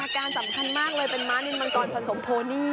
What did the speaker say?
การสำคัญมากเลยเป็นม้านินมังกรผสมโพนี่